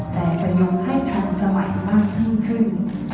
แต่ประโยชน์ให้ทั้งสมัยมากขึ้น